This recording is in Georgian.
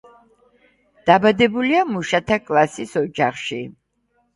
დაბადებულია მუშათა კლასის ოჯახში.